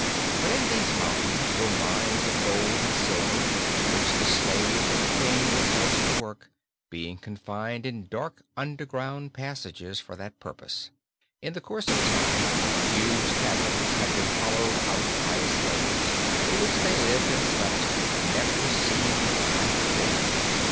But in these mountains were mines of gold and silver, which the slaves of the King were forced to work, being confined in dark underground passages for that purpose. In the course of time huge caverns had been hollowed out by the slaves, in which they lived and slept, never seeing the light of day.